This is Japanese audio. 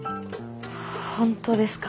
本当ですか？